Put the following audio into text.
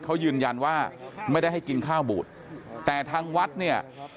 เขายืนยันว่าไม่ได้ให้กินข้าวบูดแต่ทางวัดเนี่ย